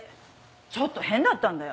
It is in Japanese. ちょっと変だったんだよ。